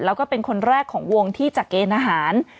แล้วก็เป็นคนแรกของวงที่จะเกณฑ์อาหาร